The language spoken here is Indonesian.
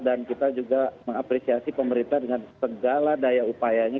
dan kita juga mengapresiasi pemerintah dengan segala daya upayanya